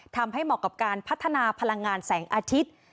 เหมาะกับการพัฒนาพลังงานแสงอาทิตย์